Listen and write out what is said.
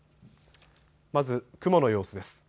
まず雲の様子です。